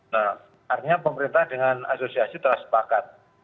nah artinya pemerintah dengan asosiasi telah sepakat